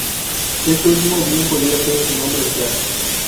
Este último, bien podría ser su nombre real.